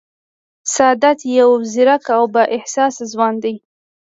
سادات یو ځېرک او با احساسه ځوان دی